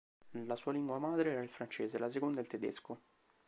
La sua lingua madre era il francese e la seconda il tedesco.